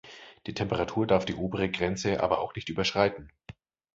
Die Temperatur darf die obere Grenze aber auch nicht überschreiten.